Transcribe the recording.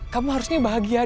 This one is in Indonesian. kamu harusnya bahagia